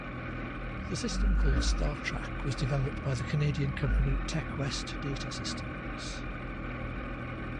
The system called Startrack was developed by the Canadian company Techwest Data Systems.